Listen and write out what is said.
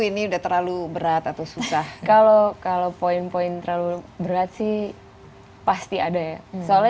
ini udah terlalu berat atau susah kalau kalau poin poin terlalu berat sih pasti ada ya soalnya